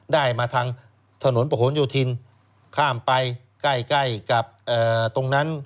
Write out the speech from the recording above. ได้มาทางถนนประหลโยธินข้ามไปใกล้กับตรงนั้น